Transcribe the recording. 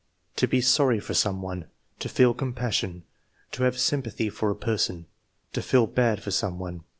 "To be sorry for some one." "To feel compassion." "To have sympathy for a person." "To feel bad for some one."